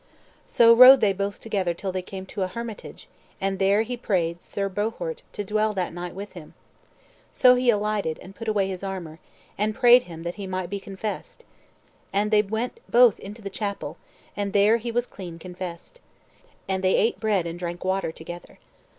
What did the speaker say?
So rode they both together till they came to a hermitage; and there he prayed Sir Bohort to dwell that night with him. So he alighted, and put away his armor, and prayed him that he might be confessed. And they went both into the chapel, and there he was clean confessed. And they ate bread and drank water together.